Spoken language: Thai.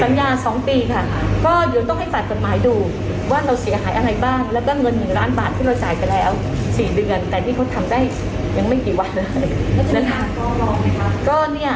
๒ปีค่ะก็เดี๋ยวต้องให้ฝ่ายกฎหมายดูว่าเราเสียหายอะไรบ้างแล้วก็เงิน๑ล้านบาทที่เราจ่ายไปแล้ว๔เดือนแต่นี่เขาทำได้ยังไม่กี่วันเลยเพราะฉะนั้น